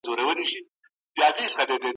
تاسو په پښتون کي د چا خبره ډېره منئ؟